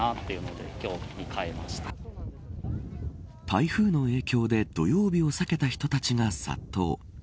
台風の影響で土曜日を避けた人たちが殺到。